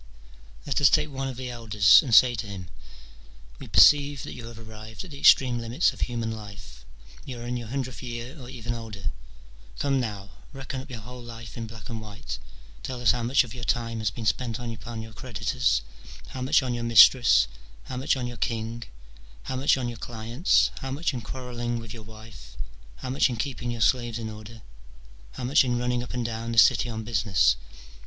Let us take one of the elders, and say to him, " We perceive that you have arrived at the extreme limits of human life : you are in your hundredth year, or even older. Come now, reckon up your whole life in black and white : tell us how much of your time has been spent upon your creditors, how much on your mistress, how much on your king, how much on your clients, how much in quarrelling with your wife, how much in keeping your slaves in order, how much in running up and down the city on business.